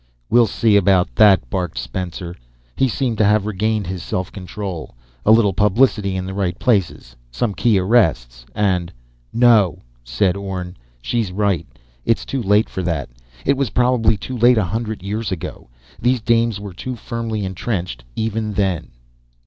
"We'll see about that!" barked Spencer. He seemed to have regained his self control. "A little publicity in the right places ... some key arrests and " "No," said Orne. "She's right. It's too late for that. It was probably too late a hundred years ago. These dames were too firmly entrenched even then."